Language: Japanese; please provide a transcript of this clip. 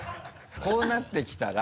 こうなってきたら。